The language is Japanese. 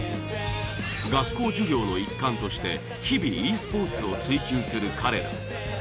学校授業の一環として日々ｅスポーツを追究する彼ら。